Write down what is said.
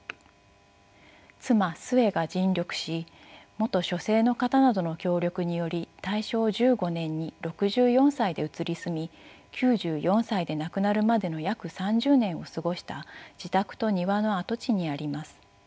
妻壽衛が尽力し元書生の方などの協力により大正１５年に６４歳で移り住み９４歳で亡くなるまでの約３０年を過ごした自宅と庭の跡地にあります。